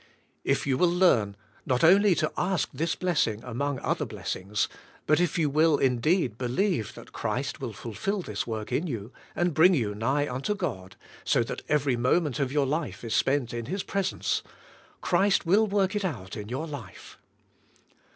If you will learn, not only to ask this blessing i38 THK SPIRITUAL tlF^« among other blessing s, but if jou will, indeed, be lieve that Christ will fulfill this work in jou and bring you nigh unto God, so that every moment of your life is spent in His presence, Christ will work it out in your life.